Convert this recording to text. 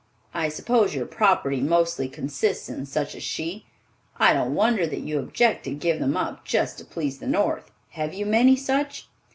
I suppose your property mostly consists in such as she. I don't wonder that you object to give them up just to please the North. Have you many such?"